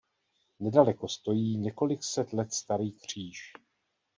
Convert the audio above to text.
Nedaleko stojí několik set let starý kříž.